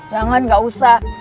jangan gak usah